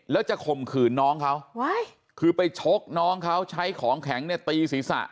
แล้วจะข่มขืนน้องเขาคือไปชกน้องเขาใช้ของแข็งเนี่ยตีศีรษะ